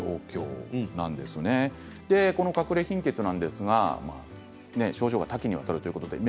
このかくれ貧血なんですが症状が多岐にわたるということです。